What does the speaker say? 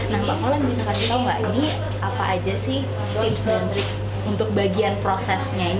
nah pak colin bisa kasih tau gak ini apa aja sih tips dan trik untuk bagian prosesnya ini